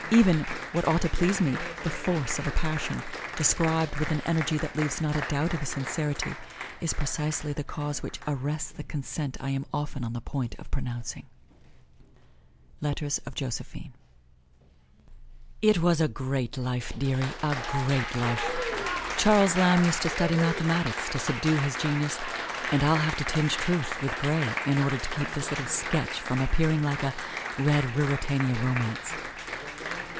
Even what ought to please me the force of a passion, described with an energy that leaves not a doubt of his sincerity, is precisely the cause which arrests the consent I am often on the point of pronouncing. Letters of Josephine [Illustration: EMPRESS JOSEPHINE] It was a great life, dearie, a great life! Charles Lamb used to study mathematics to subdue his genius, and I'll have to tinge truth with gray in order to keep this little sketch from appearing like a red Ruritania romance.